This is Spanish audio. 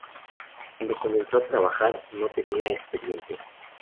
Cuando comenzó a trabajar no tenía experiencia.